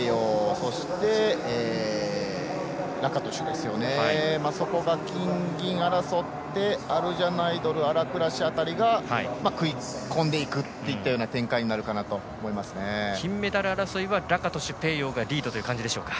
そこが金、銀争ってアルジャナイドルアルクラシ辺りが食い込んでいくといったような金メダル争いはラカトシュ、ペーヨーがリードという感じでしょうか。